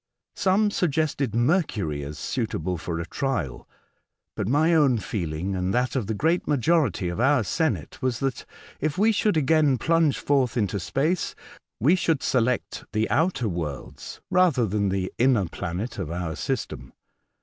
Some suggested Mercury as suitable for a trial ; but my own feeling, and that of the great majority of our senate, was that, if we should again plunge forth into space, we should select the outer worlds rather than the inner planet of our system.